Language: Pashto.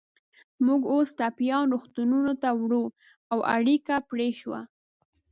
موږ اوس ټپیان روغتونونو ته وړو، او اړیکه پرې شوه.